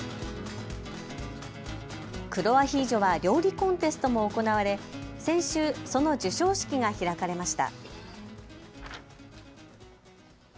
黒アヒージョは料理コンテストも行われ先週、その授賞式が開かれました。